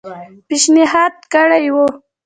پېشنهاد کړی وو.